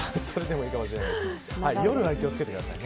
夜は気を付けてください。